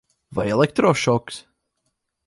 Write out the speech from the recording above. Vai elektrošoks?